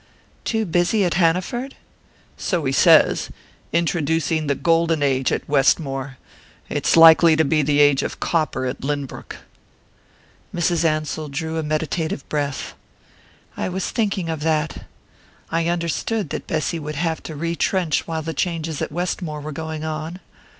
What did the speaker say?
"Too busy at Hanaford?" "So he says. Introducing the golden age at Westmore it's likely to be the age of copper at Lynbrook." Mrs. Ansell drew a meditative breath. "I was thinking of that. I understood that Bessy would have to retrench while the changes at Westmore were going on."